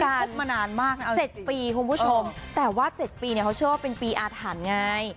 คู่นี้คุกมานานมากนะเอาจริงจริง๗ปีคุณผู้ชมแต่ว่า๗ปีเนี่ยเขาเชื่อว่าเป็นปีอาถรรพ์ไง